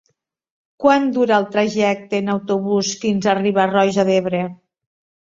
Quant dura el trajecte en autobús fins a Riba-roja d'Ebre?